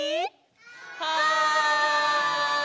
はい！